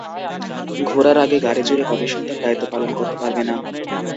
ঘোড়ার আগে গাড়ি জুড়ে কমিশন তার দায়িত্ব পালন করতে পারবে না।